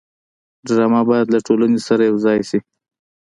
ډرامه باید له ټولنې سره یوځای شي